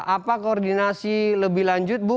apa koordinasi lebih lanjut bu